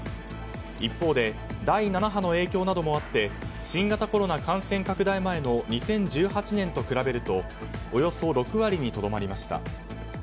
一方で第７波の影響などもあって新型コロナ感染拡大前の２０１８年と比べるとおよそ６割にとどまりました。